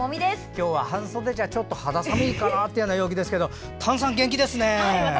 今日は半袖じゃちょっと肌寒いかなという陽気ですが丹さん、元気ですね！